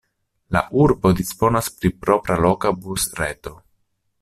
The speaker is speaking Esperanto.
La urbo disponas pri propra loka busreto.